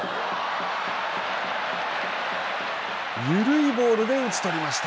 緩いボールで打ち取りました。